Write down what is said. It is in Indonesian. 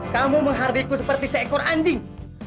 kamu menghargaiku seperti seekor anjing